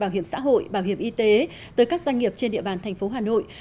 bảo hiểm xã hội bảo hiểm y tế tới các doanh nghiệp trên địa bàn thành phố hà nội